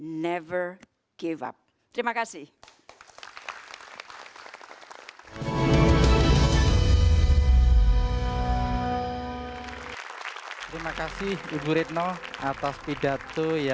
untuk kaum perempuan indonesia